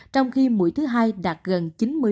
trong khi mũi thứ hai đạt gần chín mươi